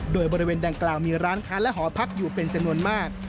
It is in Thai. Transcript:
โดยบริเวณดังกล่าวมีร้านค้าและหอพักอยู่เป็นจำนวนมาก